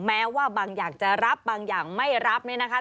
แม้ว่าบางอย่างจะรับบางอย่างไม่รับเนี่ยนะคะ